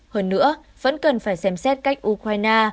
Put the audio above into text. hơn nữa vẫn cần phải xem xét cách ukraine